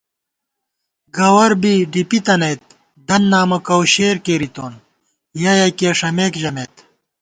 گوَر بی ڈِپِی تنَئیت دن نامہ کوشېر کېرِتون یَہ یَکِیہ ݭمېک ژمېت